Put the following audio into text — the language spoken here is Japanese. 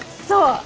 そう！